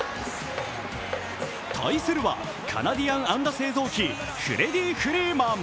対するはカナディアン安打製造機フレディ・フリーマン。